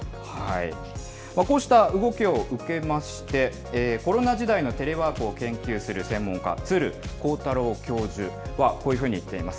こうした動きを受けまして、コロナ時代のテレワークを研究する専門家、鶴光太郎教授は、こういうふうに言っています。